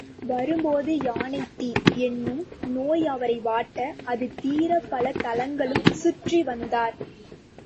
வரும்போது யானைத் தீ என்னும் நோய் அவரை வாட்ட அது தீரப் பல தலங்களும் சுற்றி வந்தார்.